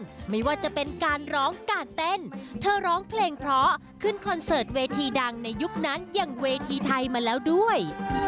ไม่ว่าจะเป็นการร้องการเต้นเธอร้องเพลงเพราะขึ้นคอนเสิร์ตเวทีดังในยุคนั้นอย่างเวทีไทยมาแล้วด้วย